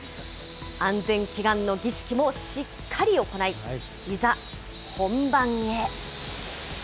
安全祈願の儀式もしっかり行い、いざ本番へ。